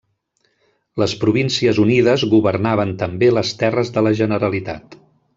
Les Províncies Unides governaven també les terres de la Generalitat.